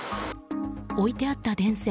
置いてあった電線